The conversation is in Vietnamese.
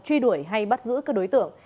truy đuổi hay bắt giữ các đối tượng